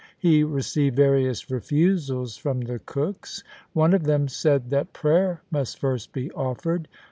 He received various refusals from the cooks. One of them said that prayer must first be offered.